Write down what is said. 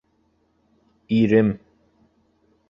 Ирем.